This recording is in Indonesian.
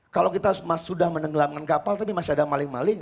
kalau kita sudah menenggelamkan kapal tapi masih ada maling maling